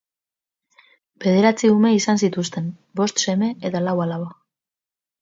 Bederatzi ume izan zituzten, bost seme eta lau alaba.